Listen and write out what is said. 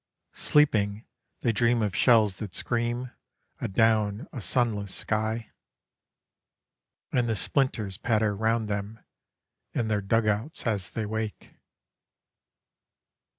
Sleeping, they dream of shells that scream adown a sunless sky And the splinters patter round them in their dug outs as they wake.